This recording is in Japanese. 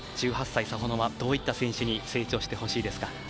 １８歳、サフォノワどういった選手に成長してほしいですか。